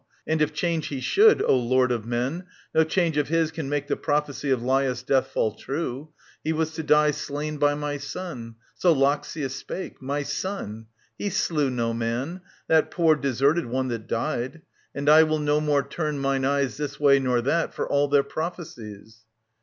And if change he should, O Lord of men, No change of his can make the prophecy Of Lalus' death fall true. He was to die Slain by my son. So Loxias spake. ... My son ! He slew no man, that poor deserted one That died. ... And I will no more turn mine eyes This way nor that for all their prophecies.